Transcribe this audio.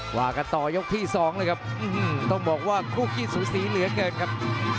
ว่ากันต่อยกที่๒เลยครับต้องบอกว่าคู่ขี้สูสีเหลือเกินครับ